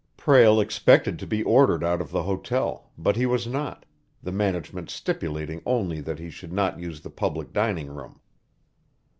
Prale expected to be ordered out of the hotel, but he was not, the management stipulating only that he should not use the public dining room.